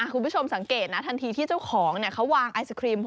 คุณผู้ชมสังเกตนะทันทีที่เจ้าของเขาวางไอศครีม